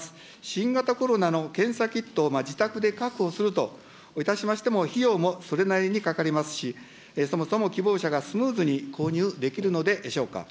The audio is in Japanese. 新型コロナの検査キットを自宅で確保するといたしましても費用もそれなりにかかりますし、そもそも希望者がスムーズに購入できるのでしょうか。